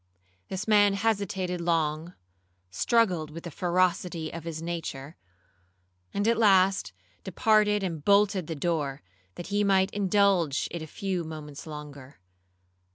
This man hesitated long, struggled with the ferocity of his nature, and at last departed and bolted the door, that he might indulge it a few moments longer.